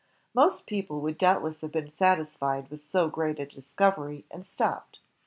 Most people would doubtless have been satisfied with so great a discovery and stopped.